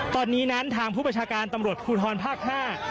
ตอนนี้นั้นทางผู้ประชาการตำรวจภูทรภาคห้า